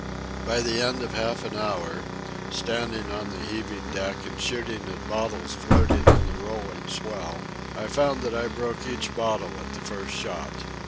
By the end of half an hour, standing on the heaving deck and shooting at bottles floating on the rolling swell, I found that I broke each bottle at the first shot.